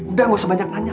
udah gak usah banyak nanya